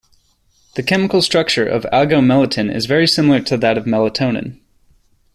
The chemical structure of agomelatine is very similar to that of melatonin.